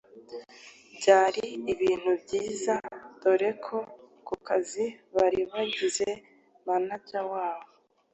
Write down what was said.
byari ibintu byiza doreko kukazi bari bangize manager waho